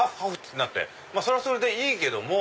てなってそれはそれでいいけども。